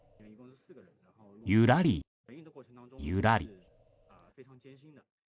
ゆらり、ゆらり。